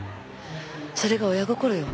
それが親心よ。